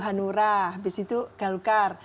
hanura habis itu galukar